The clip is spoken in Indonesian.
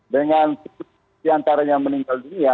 dengan situasi antaranya meninggal dunia